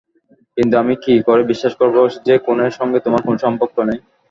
কিন্তু আমি কি করে বিশ্বাস করব, যে খুনের সঙ্গে তোমার কোনো সম্পর্ক নেই?